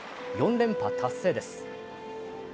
４連覇達成です。